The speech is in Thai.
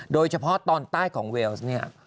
โดยเฉพาะตอนใต้ของเวลส์